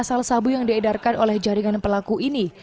asal sabu yang diedarkan oleh jaringan pelaku ini